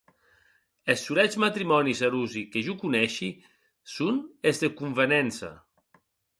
Es solets matrimònis erosi que jo coneishi son es de convenença.